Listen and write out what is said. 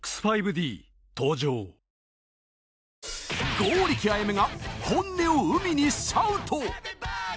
剛力彩芽が本音を海にシャウト。